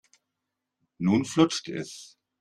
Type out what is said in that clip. Nun flutscht es.